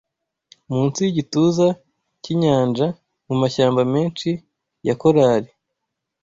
Munsi yigituza cyinyanja mumashyamba menshi ya korali